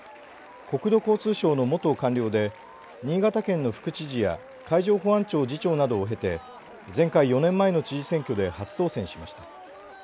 国土交通省の元官僚で新潟県の副知事や海上保安庁次長などを経て前回４年前の知事選挙で初当選しました。